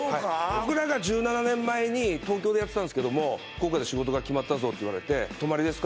僕らが１７年前に東京でやってたんですけども福岡で仕事が決まったぞって言われて泊まりですか？